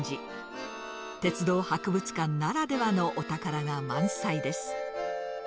鉄道博物館ならではのお宝が満載です。